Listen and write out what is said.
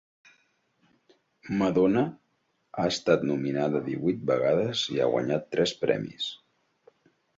Madonna ha estat nominada divuit vegades i ha guanyat tres premis.